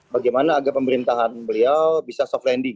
bagaimana agar pemerintahan beliau bisa soft landing